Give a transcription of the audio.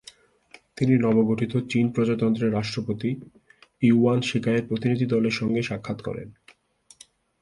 তিনি নবগঠিত চীন প্রজাতন্ত্রের রাষ্ট্রপতি ইয়ুয়ান শিকাইয়ের প্রতিনিধিদলের সঙ্গে সাক্ষাৎ করেন।